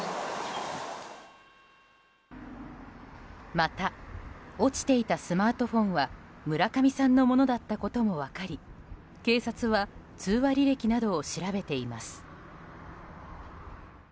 また、落ちていたスマートフォンは村上さんのものだったことも分かり警察は通話履歴などを調べています。